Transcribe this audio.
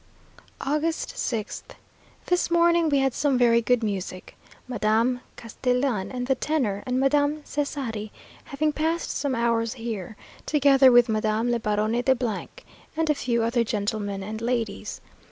August 6th. This morning we had some very good music; Madame Castellan and the tenor, and Madame Cesari having passed some hours here, together with Madame la Baronne de and a few other gentlemen and ladies.